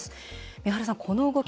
三原さん、この動き